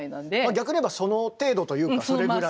逆に言えばその程度というかそれぐらい。